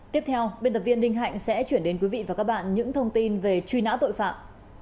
tiếp theo biên tập viên linh hạnh sẽ chuyển đến quý vị và các bạn những thông tin về truy nã tội phạm